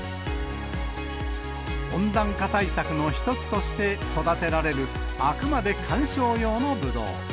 温暖化対策の一つとして育てられる、あくまで観賞用のぶどう。